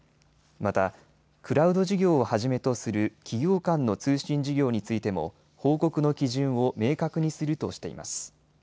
また、クラウド事業をはじめとする企業間の通信事業についても報告の基準を明確にするとしています。